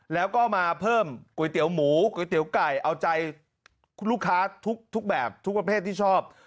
แล้วก็มาเพิ่มก๋วยเตี๋ยวหมูก๋วยเตี๋ยวไก่เอาใจลูกค้าทุกแบบทุกประเภทที่ชอบ